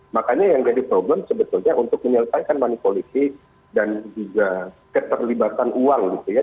makanya yang jadi problem sebetulnya untuk menyelesaikan manipulasi dan juga keterlibatan uang gitu ya